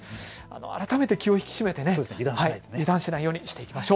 改めて気を引き締めて油断しないようにしていきましょう。